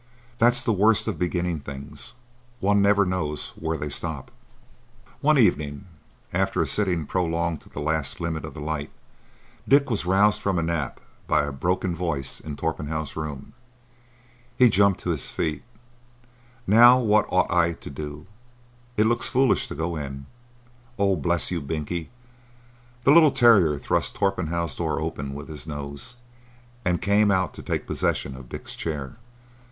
That's the worst of beginning things. One never knows where they stop." One evening, after a sitting prolonged to the last limit of the light, Dick was roused from a nap by a broken voice in Torpenhow's room. He jumped to his feet. "Now what ought I to do? It looks foolish to go in.—Oh, bless you, Binkie!" The little terrier thrust Torpenhow's door open with his nose and came out to take possession of Dick's chair.